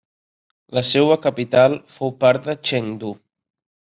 La seua capital fou part de Chengdu.